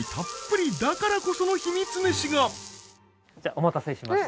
さらにお待たせしました。